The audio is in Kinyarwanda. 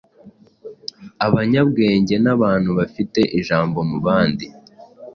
abanyabwenge n’abantu bafite ijambo mu bandi.